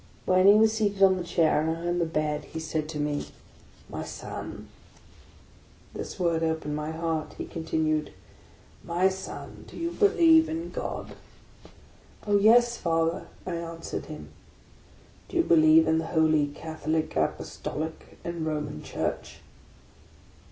When he was seated on the chair, and I on the bed, he said to me, —" My son,—" This word opened my heart. He continued: " My son, do you believe in God ?"" Oh, yes, Father !" I answered him. " Do you believe in the holy Catholic, Apostolic, and Ro man Church?